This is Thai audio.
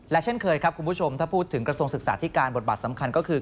เช่นเคยครับคุณผู้ชมถ้าพูดถึงกระทรวงศึกษาธิการบทบาทสำคัญก็คือ